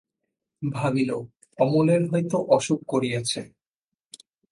ভাবিল, অমলের হয়তো অসুখ করিয়াছে।